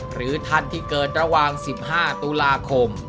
หรือท่านที่เกิดระหว่าง๑๕ตุลาคม